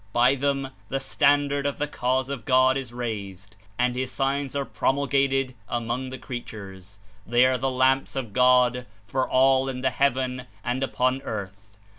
By them the standard of the Cause of God Is raised and His Signs 61 are promulgated among the creatures. They are the lamps of God for all in the heaven and upon earth.